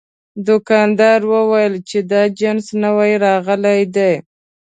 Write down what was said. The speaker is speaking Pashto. دوکاندار وویل چې دا جنس نوي راغلي دي.